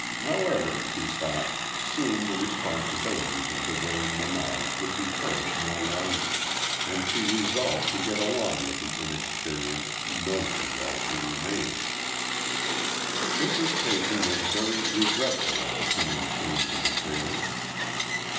However, she thought, soon the responsibilities of the Waring menage would be hers no longer, and she resolved to get along with the inexperienced Nogi while she remained. Mrs. Peyton was very regretful at the coming change of affairs.